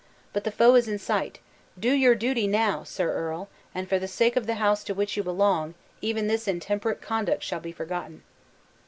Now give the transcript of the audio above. But the foe is in sight; do your duty now, sir earl, and for the sake of the house to which you belong, even this intemperate conduct shall be forgotten."